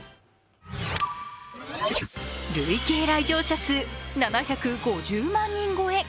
累計来場者数７５０万人超え。